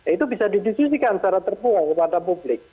itu bisa didisusikan secara terpuas kepada publik